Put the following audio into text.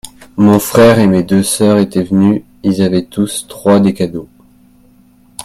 Mon frère et mes deux sœurs étaient venus, ils avaient tous trois des cadeaux.